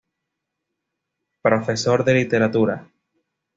Profesor de Literatura.